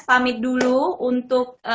pamit dulu untuk